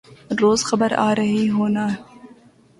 روز خبر آرہی ہونا